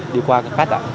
đi qua các khách ạ